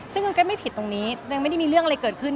ซึ่งมันก็ไม่ผิดตรงนี้ยังไม่ได้มีเรื่องอะไรเกิดขึ้น